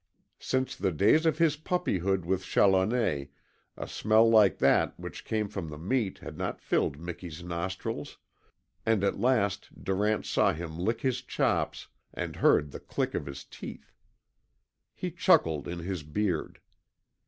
Since the days of his puppyhood with Challoner a smell like that which came from the meat had not filled Miki's nostrils, and at last Durant saw him lick his chops and heard the click of his teeth. He chuckled in his beard.